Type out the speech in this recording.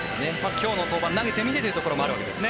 今日の登板投げてみてというところはあるわけですね。